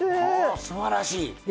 すばらしい！